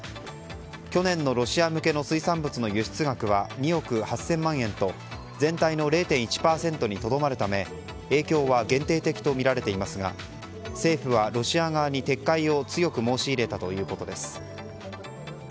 去年のロシア向けの水産物の輸出額は２億８０００万円と全体の０．１％にとどまるため影響は限定的とみられますが政府はロシア側に撤回を強く申し入れたということです。